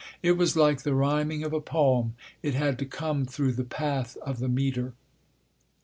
It was like the rhyming of a poem; it had to come through the path of the metre.